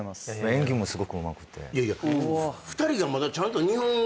演技もすごくうまくて。